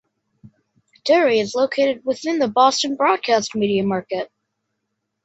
Derry is located within the Boston broadcast media market.